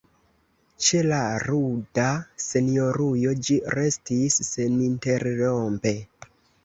Ĉe la ruda senjorujo ĝi restis seninterrompe.